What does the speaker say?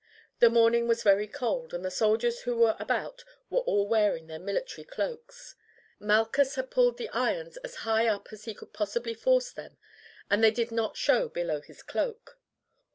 The morning was very cold, and the soldiers who were about were all wearing their military cloaks. Malchus had pulled the irons as high up as he could possibly force them, and they did not show below his cloak.